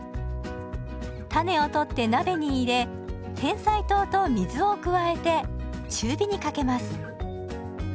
種を取って鍋に入れてんさい糖と水を加えて中火にかけます。